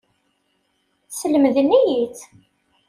Slemden-iyi-tt.